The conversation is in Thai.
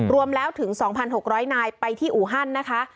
รวมแล้วถึง๒๖๐๐นายไปที่อูฮันนะคะ